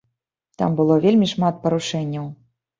Там было вельмі шмат парушэнняў.